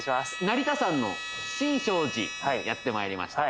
成田山の新勝寺やってまいりました